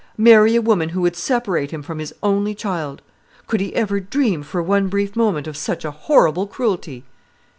marry a woman who would separate him from his only child! Could he ever dream for one brief moment of such a horrible cruelty?